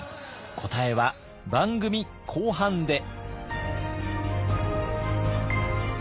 答えは番組後半で。